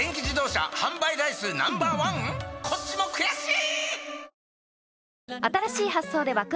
こっちも悔しい！